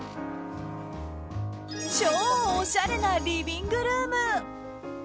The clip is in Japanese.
超おしゃれなリビングルーム。